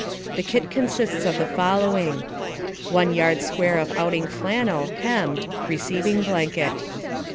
The kit consists of the following: One yard square of outing flannel, hemmed (receiving blanket).